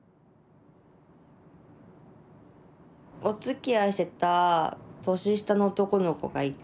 おつきあいしてた年下の男の子がいて。